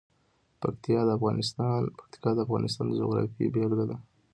پکتیکا د افغانستان د جغرافیې بېلګه ده.